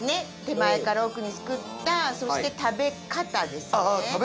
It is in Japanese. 手前から奥にすくったそして食べ方ですね